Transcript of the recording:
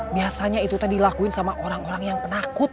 biasanya itu tak dilakuin sama orang orang yang penakut